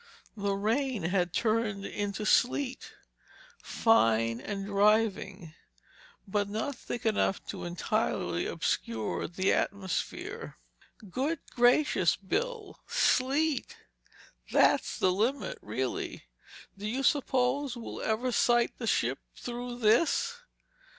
The rain had turned into sleet, fine and driving, but not thick enough to entirely obscure the atmosphere. "Good gracious, Bill—sleet! That's the limit, really—do you suppose we'll ever sight the ship through this?"